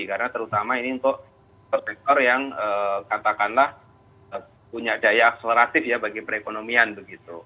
karena terutama ini untuk sektor sektor yang katakanlah punya daya akseleratif ya bagi perekonomian begitu